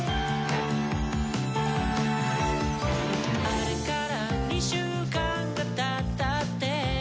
あれから２週間が経ったって？